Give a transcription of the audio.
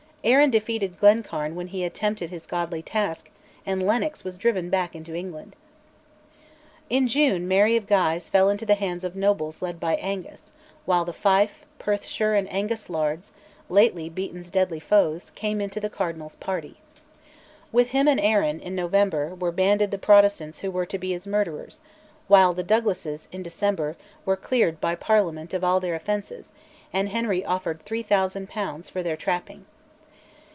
Arran defeated Glencairn when he attempted his godly task, and Lennox was driven back into England. In June Mary of Guise fell into the hands of nobles led by Angus, while the Fife, Perthshire, and Angus lairds, lately Beaton's deadly foes, came into the Cardinal's party. With him and Arran, in November, were banded the Protestants who were to be his murderers, while the Douglases, in December, were cleared by Parliament of all their offences, and Henry offered 3000 crowns for their "trapping."